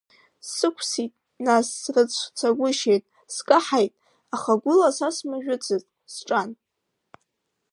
Сықәсит нас, срыцәхагәышьеит, скаҳаит, аха гәыла са смажәыцызт, сҿан.